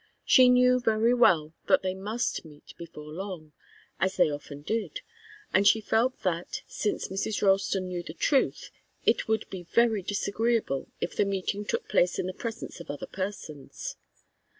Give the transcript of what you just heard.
She knew very well that they must meet before long, as they often did, and she felt that, since Mrs. Ralston knew the truth, it would be very disagreeable if the meeting took place in the presence of other persons.